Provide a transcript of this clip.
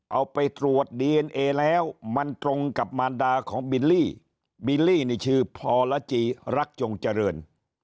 เอาไปตรวจดีเอ็นเอแล้วมันตรงกับมารดาของบิลลี่บิลลี่นี่ชื่อพรจีรักจงเจริญ